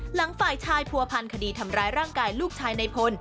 ฝ่ายชายผัวพันคดีทำร้ายร่างกายลูกชายในพล